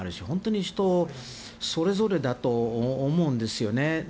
本当に人それぞれだと思うんです。